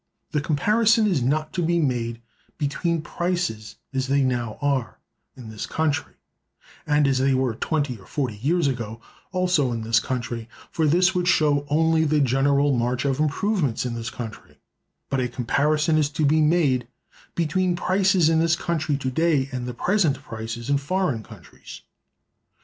The comparison is not to be made between prices as they now are in this country and as they were twenty or forty years ago also in this country, for this would show only the general march of improvements in this country; but a comparison is to be made between prices in this country to day and present prices in foreign countries.